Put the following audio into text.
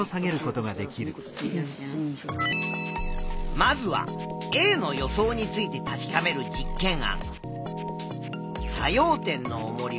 まずはＡの予想について確かめる実験案。